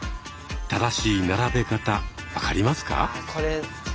正しい並べ方分かりますか？